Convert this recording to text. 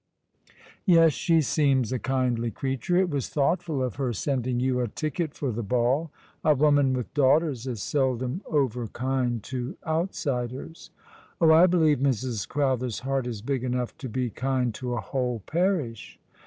" Yes, she seems a kindly creature. It was thoughtful of her sending you a ticket for the ball. A woman with daughters is seldom over kind to outsiders." " Oh, I believe Mrs. Crowther's heart is bfg enough to bo kind to a whole parish."